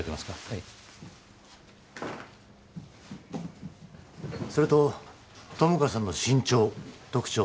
はいそれと友果さんの身長特徴